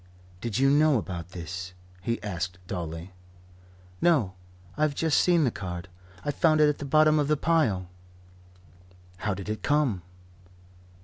"Did you know about this?" he asked dully. "No. I've just seen the card. I found it at the bottom of the pile." "How did it come?"